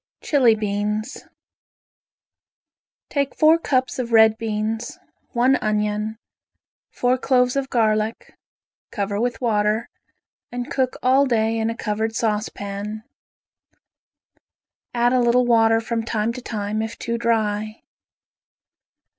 Chili Beans Take four cups of red beans, one onion, four cloves of garlic, cover with water and cook all day in a covered saucepan. Add a little water from time to time if too dry.